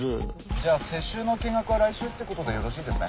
じゃあ施主の見学は来週ってことでよろしいですね。